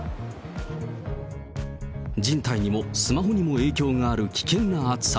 人体にもスマホにも影響がある危険な暑さ。